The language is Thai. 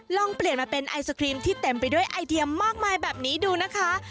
ลองเปลี่ยนมาเป็นไอศครีมที่เต็มไปด้วยไอเดียมากมายแบบนี้ดูนะคะ